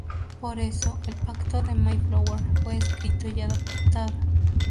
Por eso, el Pacto del Mayflower fue escrito y adoptado.